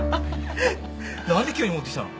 何で急に持ってきたの。